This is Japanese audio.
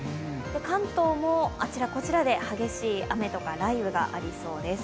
関東もあちらこちらで激しい雨とか雷雨がありそうです。